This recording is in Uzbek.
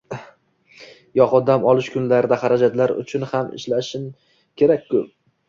yoxud dam olish kunlaridagi xarajatlar uchun ham ishlash kerak-ku.